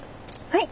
はい！